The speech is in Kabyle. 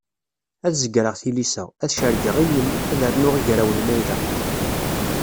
Ad zegreɣ tilisa, ad cargeɣ ilel ad rnuɣ igrawen ma ilaq.